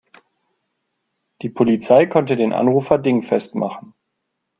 Die Polizei konnte den Anrufer dingfest machen.